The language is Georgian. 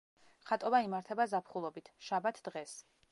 ხატობა იმართება ზაფხულობით, შაბათ დღეს.